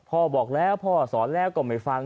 บอกแล้วพ่อสอนแล้วก็ไม่ฟัง